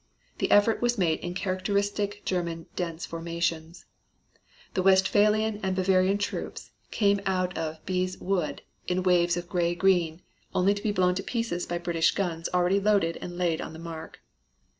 The effort was made in characteristic German dense formations. The Westphalian and Bavarian troops came out of Biez Wood in waves of gray green, only to be blown to pieces by British guns already loaded and laid on the mark.